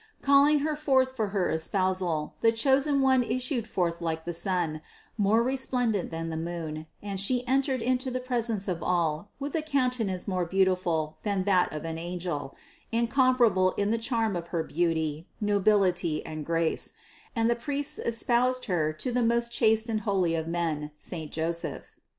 Calling Her forth for her espousal, the Chosen one issued forth like the sun, more resplendent than the moon, and She entered into the presence of all with a countenance more beautiful than that of an angel, incomparable in the charm of her beauty, nobility and grace ; and the priests espoused Her to the most chaste and holy of men, saint Joseph.